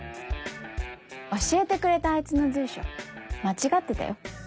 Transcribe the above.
教えてくれたあいつの住所間違ってたよ。